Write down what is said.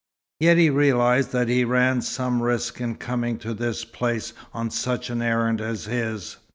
Yet he realized that he ran some risk in coming to this place on such an errand as his.